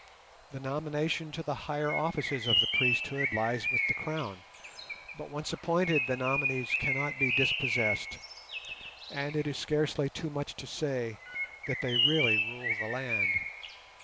The nomination to the higher offices of the priesthood lies with the Crown, but once appointed the nominees cannot be dispossessed, and it is scarcely too much to say that they really rule the land.